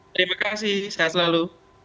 terima kasih sehat selalu